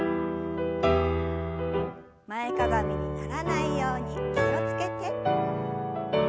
前かがみにならないように気を付けて。